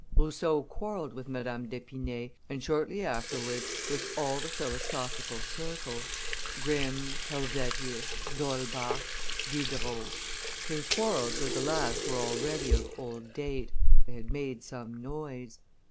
Rousseau quarrelled with Madame d'Epinay, and shortly afterwards with all the philosophical circle: Grimm, Helvetius, D'Holbach, Diderot; his quarrels with the last were already of old date, they had made some noise.